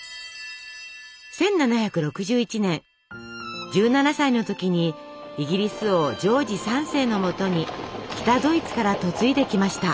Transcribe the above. １７６１年１７歳の時にイギリス王ジョージ３世のもとに北ドイツから嫁いできました。